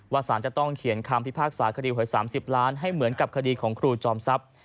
สารจะต้องเขียนคำพิพากษาคดีหวย๓๐ล้านให้เหมือนกับคดีของครูจอมทรัพย์